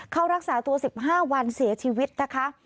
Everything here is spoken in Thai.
เข้ารักษาตัว๑๕วันเสียชีวิตนะคะ